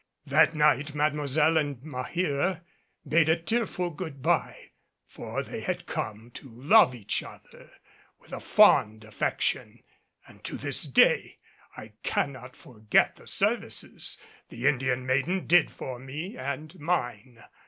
That night Mademoiselle and Maheera bade a tearful good by, for they had come to love each other with a fond affection; and to this day I cannot forget the services the Indian maiden did for me and mine.